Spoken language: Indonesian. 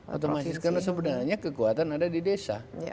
otomatis karena sebenarnya kekuatan ada di desa